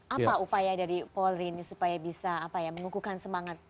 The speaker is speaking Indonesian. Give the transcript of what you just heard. apa upaya dari paul rini supaya bisa mengukuhkan semangat